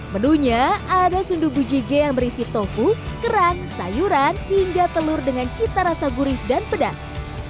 menunya ada sundu bujige yang berisi tofu kerang sayuran hingga telur dengan cita rasa gurih dan pedas